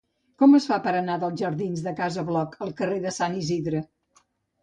Com es fa per anar dels jardins de Casa Bloc al carrer de Sant Isidre?